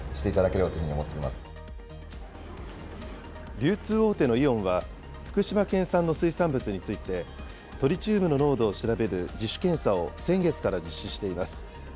流通大手のイオンは、福島県産の水産物について、トリチウムの濃度を調べる自主検査を先月から実施しています。